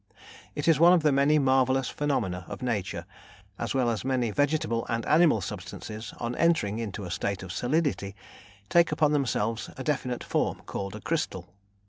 It is one of the many marvellous phenomena of nature that mineral, as well as many vegetable and animal substances, on entering into a state of solidity, take upon themselves a definite form called a crystal.